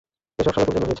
এসব শালা তোর জন্য হয়েছে!